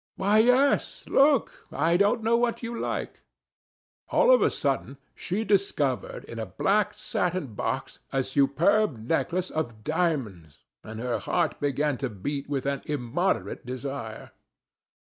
"Why, yes. Look. I don't know what you like." All of a sudden she discovered, in a black satin box, a superb necklace of diamonds, and her heart began to beat with an immoderate desire.